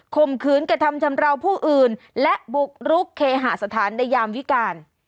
มขืนกระทำชำราวผู้อื่นและบุกรุกเคหาสถานในยามวิการ